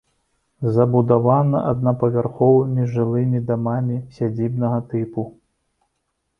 Забудавана аднапавярховымі жылымі дамамі сядзібнага тыпу.